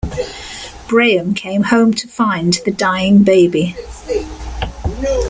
Braham came home to find the dying baby.